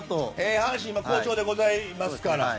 阪神、今好調でございますから。